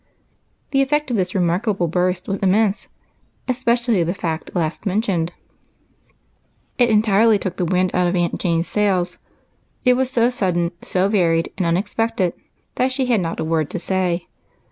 The effect of this remarkable burst was immense, especially the fact last mentioned. It entirely took the wind out of Aunt Jane's sails ; it was so sudden, so varied and unexpected, that she had not a word to say.